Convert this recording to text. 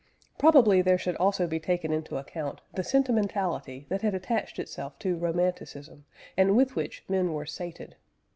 Probably there should also be taken into account the sentimentality that had attached itself to Romanticism and with which men were sated.